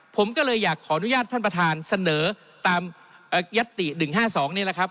ผมก็เลยอยากขออนุญาตท่านประธานเสนอตามยัตติ๑๕๒นี่แหละครับ